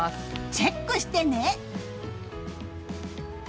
チェックしてね！